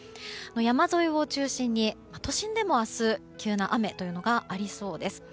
山沿いを中心に都心でも明日急な雨がありそうです。